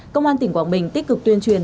công an tỉnh quảng bình tích cực tuyên truyền